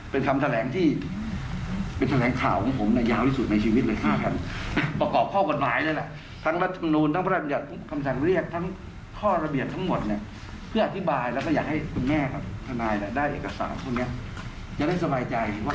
เป็นตามหน้าที่ของคุณแม่ตอนนี้ครับอธิบายให้เข้าใจว่า